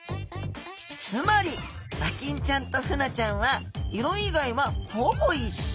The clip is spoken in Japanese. つまり和金ちゃんとフナちゃんは色以外はほぼ一緒。